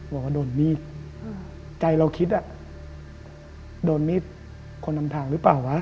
บอกว่าโดนมีดใจเราคิดอ่ะโดนมีดคนนำทางหรือเปล่าวะ